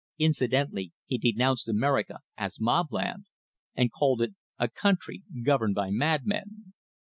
Incidentally he denounced America as "Mobland," and called it a country governed by madmen.